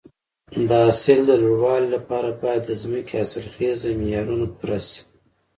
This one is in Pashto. د حاصل د لوړوالي لپاره باید د ځمکې حاصلخیزي معیارونه پوره شي.